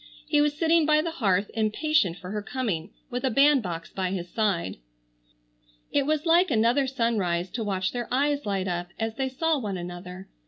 He was sitting by the hearth impatient for her coming, with a bandbox by his side. It was like another sunrise to watch their eyes light up as they saw one another.